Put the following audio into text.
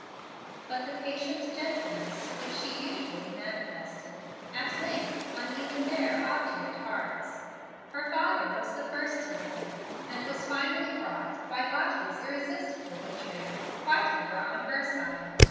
But the patient gentleness which she usually manifested at length won even their obdurate hearts. Her father was the first to relent, and was finally brought, by Lottie's irresistible witchery, quite over on her side.